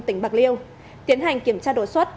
tỉnh bạc liêu tiến hành kiểm tra đổ xuất